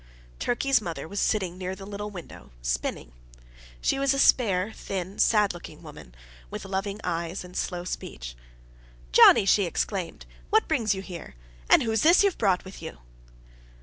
Turkey's mother was sitting near the little window, spinning. She was a spare, thin, sad looking woman, with loving eyes and slow speech. "Johnnie!" she exclaimed, "what brings you here? and who's this you've brought with you?"